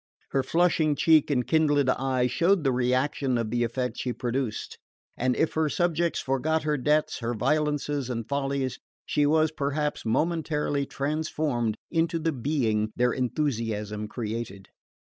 Her flushing cheek and kindled eye showed the reaction of the effect she produced, and if her subjects forgot her debts, her violences and follies, she was perhaps momentarily transformed into the being their enthusiasm created.